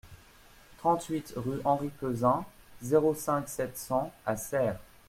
trente-huit rue Henri Peuzin, zéro cinq, sept cents à Serres